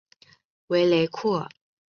维雷库尔。